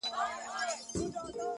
مجبورۍ پر خپل عمل کړلې پښېمانه!!